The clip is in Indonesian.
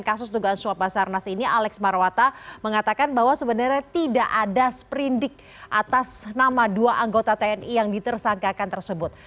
kasus dugaan suap basarnas ini alex marwata mengatakan bahwa sebenarnya tidak ada sprindik atas nama dua anggota tni yang ditersangkakan tersebut